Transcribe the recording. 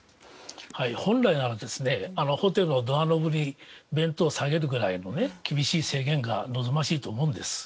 本来ならホテルのドアノブに弁当をさげるくらいの厳しい制限が望ましいと思うんです。